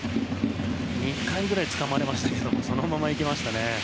２回ぐらい、つかまれましたけどそのまま行きましたね。